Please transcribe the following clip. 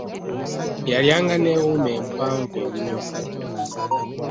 Yalya nga ne wuma empanvu ennyo.